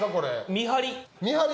見張り。